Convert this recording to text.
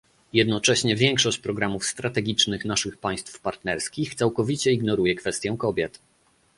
Jednocześnie większość programów strategicznych naszych państw partnerskich całkowicie ignoruje kwestię kobiet